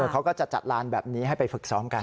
เขาก็จะจัดลานแบบนี้ให้ไปฝึกซ้อมกัน